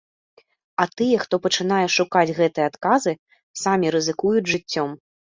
А тыя, хто пачынае шукаць гэтыя адказы, самі рызыкуюць жыццём.